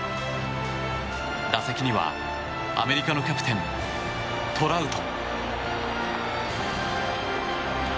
打席にはアメリカのキャプテントラウト。